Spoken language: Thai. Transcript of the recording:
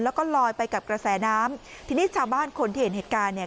แล้วก็ลอยไปกับกระแสน้ำทีนี้ชาวบ้านคนที่เห็นเหตุการณ์เนี่ย